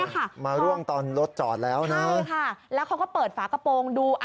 นี่ค่ะมาร่วงตอนรถจอดแล้วนะใช่ค่ะแล้วเขาก็เปิดฝากระโปรงดู